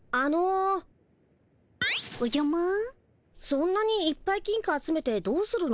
そんなにいっぱい金貨集めてどうするの？